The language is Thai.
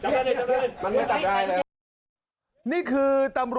สวัสดีครับคุณผู้ชาย